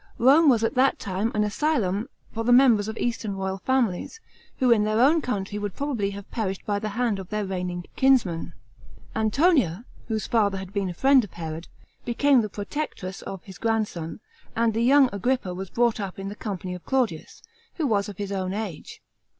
Rome was at this time an asylum for the members of eastern royal families, who in their own country would probably haveperishtd by the hand of their reigning kinsmen. Antonia, whose father had been a friend of Herod, been me the protectress of his grandson, and the \ oung Agri,>pa WPS brought up in the company of Claudius, who was of his own age.